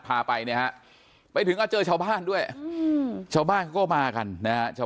พาไปเนี่ยฮะไปถึงก็เจอชาวบ้านด้วยชาวบ้านเขาก็มากันนะฮะชาว